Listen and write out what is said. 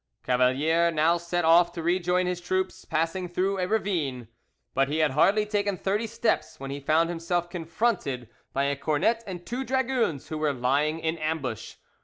Cavalier now set off to rejoin his troops, passing through a ravine, but he had hardly taken thirty steps when he found himself confronted by a cornet and two dragoons who were lying in ambush.